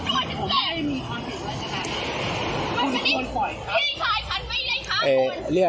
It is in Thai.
คุณก็ทำร้ายฉันทำอะไร